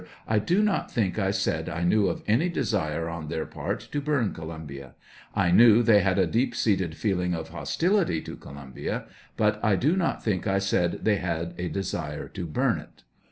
I do not think I said I knew of any desire on their part to burn Columbia; I knew they had a deep seated feeling of hostility to Columbia, but I do not think I said they had a desire to burn it.